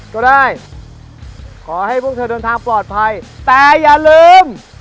ก็ได้ขอให้พวกเธอเดินทางปลอดภัยแต่อย่าลืม